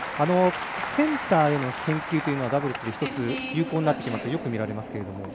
センターへの返球というのはダブルスで有効になってきますかよく見られますが。